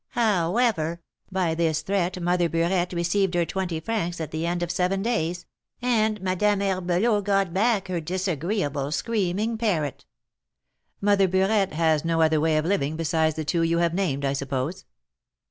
However, by this threat Mother Burette received her twenty francs at the end of seven days, and Madame Herbelot got back her disagreeable, screaming parrot." "Mother Burette has no other way of living besides the two you have named, I suppose?"